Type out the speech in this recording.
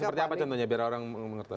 seperti apa contohnya biar orang mengetahui